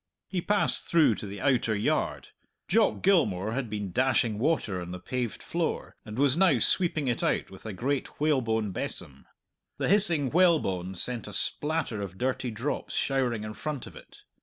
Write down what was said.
He passed through to the outer yard. Jock Gilmour had been dashing water on the paved floor, and was now sweeping it out with a great whalebone besom. The hissing whalebone sent a splatter of dirty drops showering in front of it.